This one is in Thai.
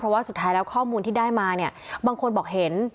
ว่าสุดท้ายแล้วข้อมูลที่ได้มาเนี่ยบางคนบอกเห็น